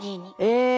え！